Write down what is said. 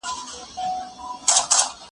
د ملي وضعیت رښتینې انځور وړاندې کول لازمي دي.